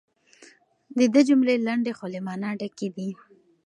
د ده جملې لنډې خو له مانا ډکې دي.